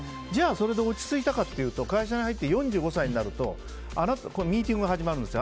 それで落ち着いたかというと会社に入って４５歳になるとミーティングが始まるんです。